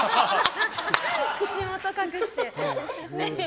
口元隠して。